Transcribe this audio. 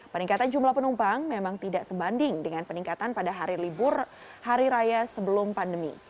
peningkatan jumlah penumpang memang tidak sebanding dengan peningkatan pada hari libur hari raya sebelum pandemi